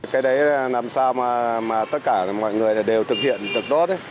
cái đấy làm sao mà tất cả mọi người đều thực hiện được tốt